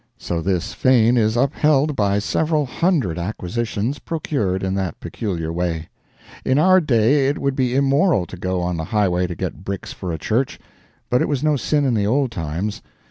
So this fane is upheld by several hundred acquisitions procured in that peculiar way. In our day it would be immoral to go on the highway to get bricks for a church, but it was no sin in the old times.